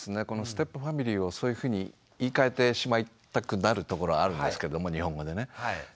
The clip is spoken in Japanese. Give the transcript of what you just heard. このステップファミリーをそういうふうに言いかえてしまいたくなるところあるんですけども日本語でね。